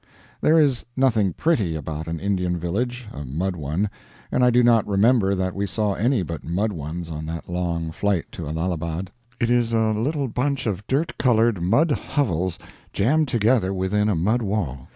There is nothing pretty about an Indian village a mud one and I do not remember that we saw any but mud ones on that long flight to Allahabad. It is a little bunch of dirt colored mud hovels jammed together within a mud wall.